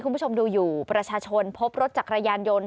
คุณผู้ชมดูอยู่ประชาชนพบรถจักรยานยนต์